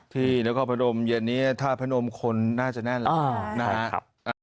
ที่แล้วก็พนมเย็นนี้ถ้าพนมคนน่าจะแน่นแล้วนะครับ